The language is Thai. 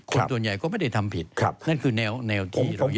คนตัวใหญ่ก็ไม่ได้ทำผิดนั่นคือแนวแนวที่เราเย็นตัว